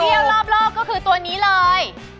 เที่ยวรอบก็คือตัวนี้เลย